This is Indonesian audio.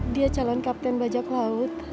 dia calon kapten bajak laut